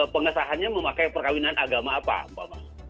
pengesahannya memakai perkahwinan agama apa umpamanya